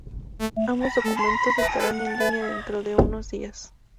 Ambos documentos estarán en línea dentro de unos días.